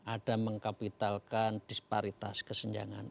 ada mengkapitalkan disparitas kesenjangan